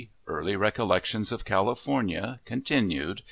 EARLY RECOLLECTIONS OF CALIFORNIA (CONTINUED).